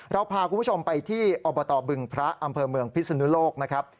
เราพาคุณผู้ชมไปที่อบตบึงพระอำเภอเมืองพิศนุโลกนะครับ